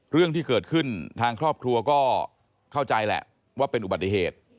เรื่องที่เกิดขึ้นทางครอบครัวก็เข้าใจแหละว่าเป็นอุบัติเหตุ